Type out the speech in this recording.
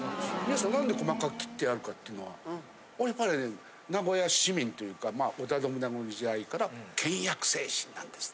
なんで細かく切ってあるかというのは、やっぱりね、名古屋市民というか、織田信長の時代から倹約精神なんです。